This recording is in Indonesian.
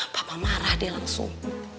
papa marah dia langsung